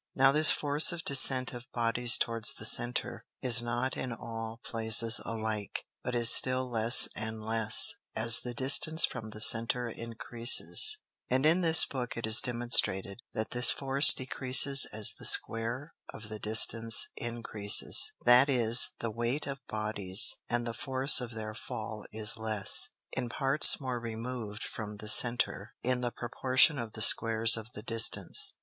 Now this force of Descent of Bodies towards the Centre, is not in all places alike, but is still less and less, as the distance from the Center encreases: And in this Book it is demonstrated, that this Force decreases as the Square of the distance increases; that is, the weight of Bodies, and the Force of their Fall is less, in parts more removed from the Center, in the proportion of the Squares of the Distance.